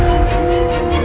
aku mau pergi